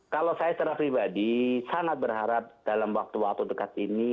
kalau saya secara pribadi sangat berharap dalam waktu waktu dekat ini